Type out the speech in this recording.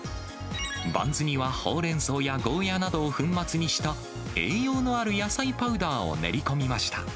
バンズにはホウレンソウやゴーヤなどを粉末にした栄養のある野菜パウダーを練り込みました。